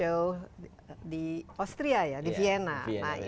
ibu laman instagram saya di mana mana aja ahora ya